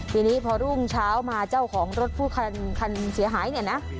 ทีนี้พอรุ่งเช้ามาเจ้าของรถผู้คันเสียหายเนี่ยนะ